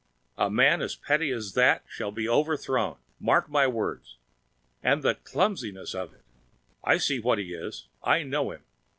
A man as petty as that shall be overthrown! Mark my words! And the clumsiness of it! I see what he is! I know him!